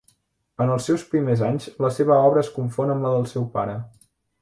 En els seus primers anys la seva obra es confon amb la del seu pare.